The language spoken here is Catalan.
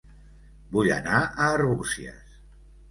Vull anar a Arbúcies